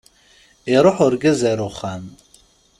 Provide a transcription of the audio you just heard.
Iruḥ urgaz ar uxxam.